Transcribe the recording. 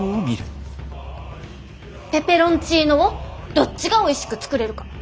ペペロンチーノをどっちがおいしく作れるか。